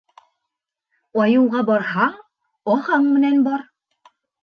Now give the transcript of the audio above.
Айыуға барһаң, ағаң менән бар.